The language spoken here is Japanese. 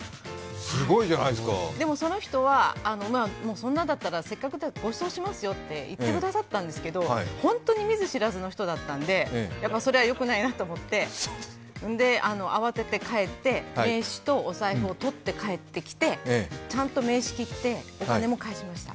でも、その人はそんなだったらせっかくなのでごちそうしますよと言ってくれたんですが、本当に見ず知らずの人だったので、それはよくないなと思って、慌てて帰って、名刺とお財布をとって帰ってきて、ちゃんと名刺切って、お金も返しました。